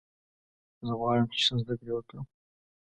زه غواړم چې ښه زده کړه وکړم.